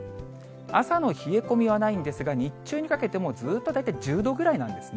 朝の冷え込みはないんですが、日中にかけても、ずーっと大体１０度ぐらいなんですね。